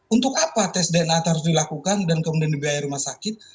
untuk apa tes dna harus dilakukan dan kemudian dibiayai rumah sakit